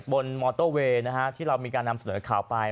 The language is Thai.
มอเตอร์เวย์ที่เรามีการนำเสนอข่าวไป